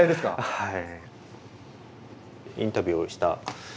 はい。